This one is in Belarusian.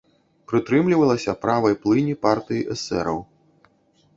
Прытрымлівалася правай плыні партыі эсэраў.